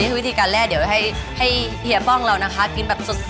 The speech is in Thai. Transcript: อันนี้วิธีการแร่เดี๋ยวให้เฮียป้องเรากินแบบสด